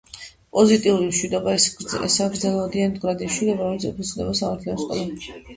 პოზიტიური მშვიდობა ესაა გრძელვადიანი, მდგრადი მშვიდობა, რომელიც ეფუძნება სამართლიანობას ყველა ადამიანისთვის.